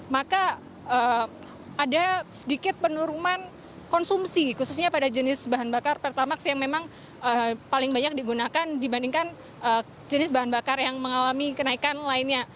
maka ada sedikit penurunan konsumsi khususnya pada jenis bahan bakar pertamax yang memang paling banyak digunakan dibandingkan jenis bahan bakar yang mengalami kenaikan lainnya